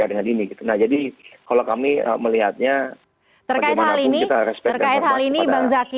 nah jadi kalau kami melihatnya bagaimanapun kita respect dan terima kepada